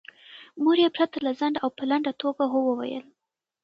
مور یې پرته له ځنډه او په لنډه توګه هو وویل.